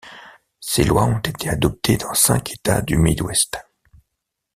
Ces lois ont été adoptées dans cinq États du Midwest.